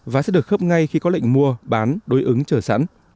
và sẽ được khấp ngay khi có lệnh mua bán đối ứng trở sẵn